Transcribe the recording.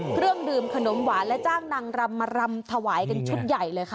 เครื่องดื่มขนมหวานและจ้างนางรำมารำถวายกันชุดใหญ่เลยค่ะ